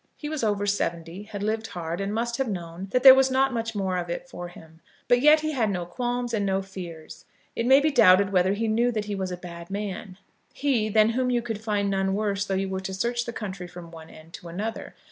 He was over seventy, had lived hard, and must have known that there was not much more of it for him. But yet he had no qualms, and no fears. It may be doubted whether he knew that he was a bad man, he, than whom you could find none worse though you were to search the country from one end to another.